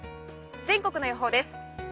全国の予報です。